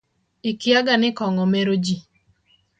Ikiaga ni kong'o meroji.